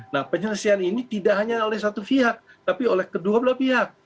nah penyelesaian ini tidak hanya oleh satu pihak tapi oleh kedua belah pihak